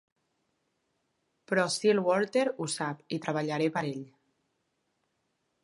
Però Sir Walter ho sap i treballaré per a ell.